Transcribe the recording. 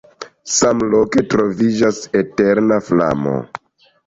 Samloke troviĝas eterna flamo.